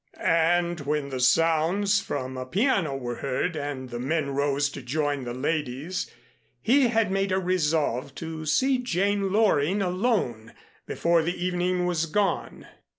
And when the sounds from a piano were heard and the men rose to join the ladies, he had made a resolve to see Jane Loring alone before the evening was gone.